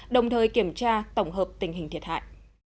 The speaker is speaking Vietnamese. đồng thời kiểm tra tổng hợp tình hình thiệt hại